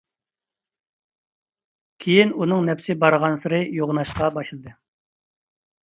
كېيىن ئۇنىڭ نەپسى بارغانسېرى يوغىناشقا باشلىدى.